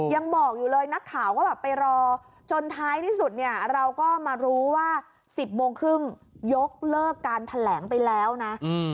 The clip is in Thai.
ยังบอกอยู่เลยนักข่าวก็แบบไปรอจนท้ายที่สุดเนี่ยเราก็มารู้ว่า๑๐โมงครึ่งยกเลิกการแถลงไปแล้วนะ